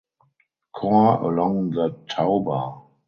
Corps along the Tauber.